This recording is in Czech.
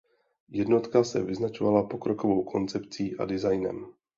Jednotka se vyznačovala pokrokovou koncepcí a designem.